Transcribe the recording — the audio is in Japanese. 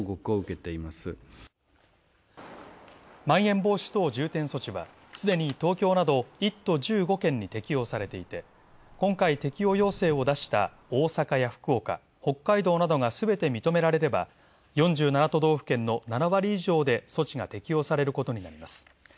まん延防止等重点措置はすでに東京など１都１５県に適用されていて、今回、適用要請を出した大阪や福岡、北海道などがすべて認められれば４７都道府県の７割以上で措置が適用されることになります。